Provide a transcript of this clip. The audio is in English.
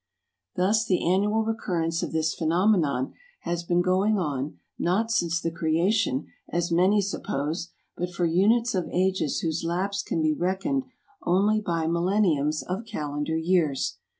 Thus the annual recurrence of this phenomenon has been going on not since the creation, as many suppose, but for units of ages whose lapse can be reckoned only by millenniums of calendar years.